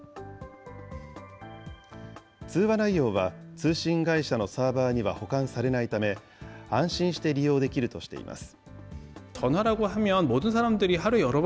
通話内容は、通信会社のサーバーには保管されないため、安心して利用できるとしています。